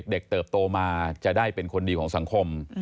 เติบโตมาจะได้เป็นคนดีของสังคม